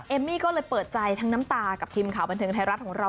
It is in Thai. เอมมี่ก็เลยเปิดใจทั้งน้ำตากับทีมข่าวบันเทิงไทยรัฐของเรา